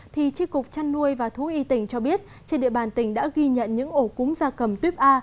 thì chiếc cục chăn nuôi và thú y tỉnh cho biết trên địa bàn tỉnh đã ghi nhận những ổ cúng da cầm tuyếp a